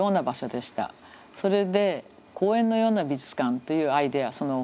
それで公園のような美術館というアイデア。